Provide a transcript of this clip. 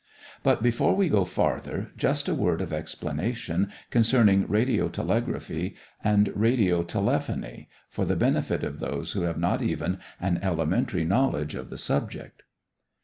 But before we go farther, just a word of explanation concerning radiotelegraphy and radiotelephony for the benefit of those who have not even an elementary knowledge of the subject.